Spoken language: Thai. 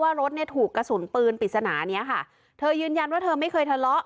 รถเนี่ยถูกกระสุนปืนปริศนาเนี้ยค่ะเธอยืนยันว่าเธอไม่เคยทะเลาะ